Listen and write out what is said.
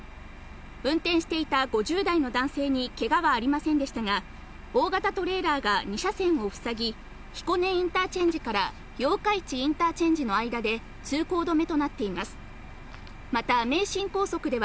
運転していた５０代の男性にけがはありませんでしたが、大型トレーラーが２車線を塞ぎ、彦根インターチェンジから八日市インターチェンジの間で通行止めとなっています。